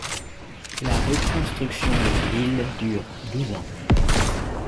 La reconstruction de la ville dure douze ans.